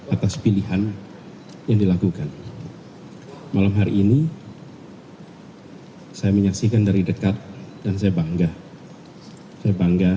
atas pilihan yang dilakukan malam hari ini saya menyaksikan dari dekat dan saya bangga saya bangga